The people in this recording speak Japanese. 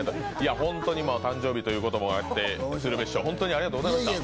ホントに誕生日ということもあって、鶴瓶師匠、ありがとうございました。